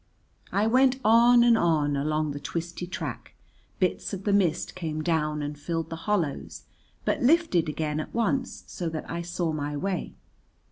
I went on and on along the twisty track, bits of the mist came down and filled the hollows but lifted again at once so that I saw my way.